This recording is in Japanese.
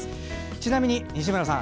ちなみに、西村さん。